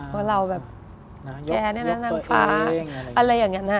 เพราะเราแบบแก๊งนางฟ้าอะไรอย่างนี้นะ